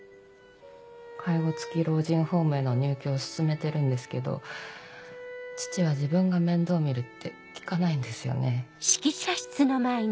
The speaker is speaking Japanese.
介護付き老人ホームへの入居を勧めてるんですけど父は自分が面倒見るって聞かないんですよね。